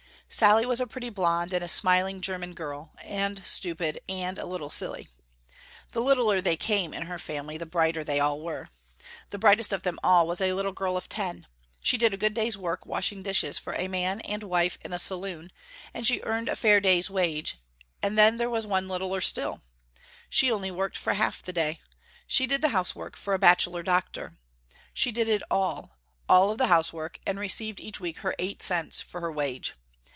Sallie was a pretty blonde and smiling german girl, and stupid and a little silly. The littler they came in her family the brighter they all were. The brightest of them all was a little girl of ten. She did a good day's work washing dishes for a man and wife in a saloon, and she earned a fair day's wage, and then there was one littler still. She only worked for half the day. She did the house work for a bachelor doctor. She did it all, all of the housework and received each week her eight cents for her wage.